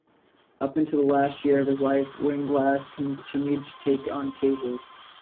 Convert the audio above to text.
Up until the last year of his life, Weinglass continued to take on cases.